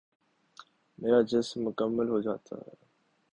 میرا جسم مکمل ہو جاتا ہے ۔